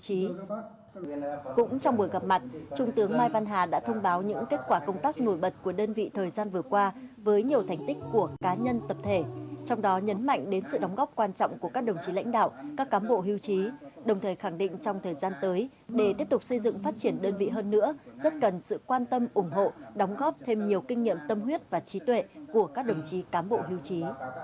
cũng trong buổi gặp mặt trung tướng mai văn hà đã thông báo những kết quả công tác nổi bật của đơn vị thời gian vừa qua với nhiều thành tích của cá nhân tập thể trong đó nhấn mạnh đến sự đóng góp quan trọng của các đồng chí lãnh đạo các cán bộ hưu trí đồng thời khẳng định trong thời gian tới để tiếp tục xây dựng phát triển đơn vị hơn nữa rất cần sự quan tâm ủng hộ đóng góp thêm nhiều kinh nghiệm tâm huyết và trí tuệ của các đồng chí cán bộ hưu trí